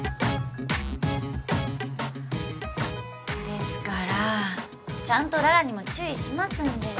ですからぁちゃんと羅羅にも注意しますんで。